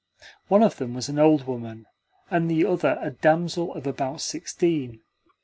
One of them was an old woman, and the other a damsel of about sixteen.